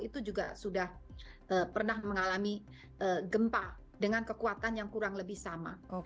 itu juga sudah pernah mengalami gempa dengan kekuatan yang kurang lebih sama